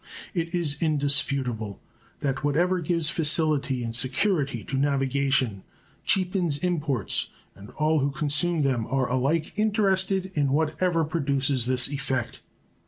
It is indisputable that whatever gives facility and security to navigation cheapens imports and all who consume them are alike interested in what ever produces this effect.